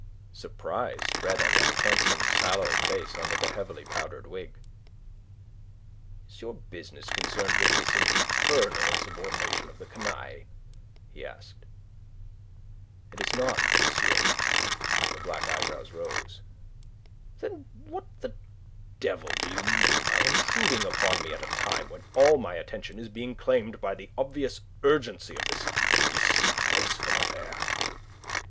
Surprise spread on that handsome, sallow face under the heavily powdered wig. "Is your business concerned with this infernal insubordination of the canaille?" he asked. "It is not, monsieur." The black eyebrows rose. "Then what the devil do you mean by intruding upon me at a time when all my attention is being claimed by the obvious urgency of this disgraceful affair?"